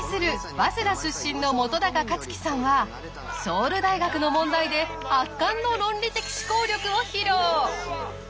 早稲田出身の本克樹さんはソウル大学の問題で圧巻の論理的思考力を披露！